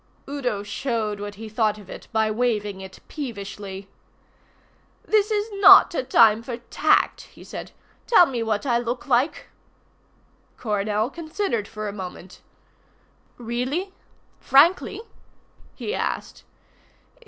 Udo showed what he thought of it by waving it peevishly. "This is not a time for tact," he said. "Tell me what I look like." Coronel considered for a moment. "Really frankly?" he asked.